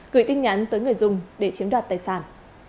gửi tin nhắn tới người dùng để chiếm đoạt tài sản